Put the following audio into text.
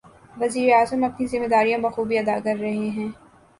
وزیر اعظم اپنی ذمہ داریاں بخوبی ادا کر رہے ہیں۔